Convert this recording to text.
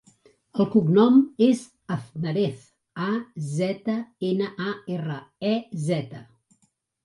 El cognom és Aznarez: a, zeta, ena, a, erra, e, zeta.